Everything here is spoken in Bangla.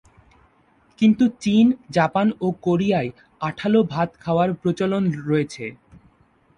কিন্তু চীন জাপান ও কোরিয়ায় আঠালো ভাব খাওয়ার প্রচলন রয়েছে।